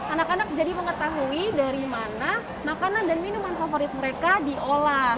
anak anak jadi mengetahui dari mana makanan dan minuman favorit mereka diolah